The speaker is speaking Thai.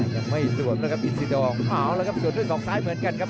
ยังไม่ส่วนนะครับอินซีดอร์ส่วนด้วยสองซ้ายเหมือนกันครับ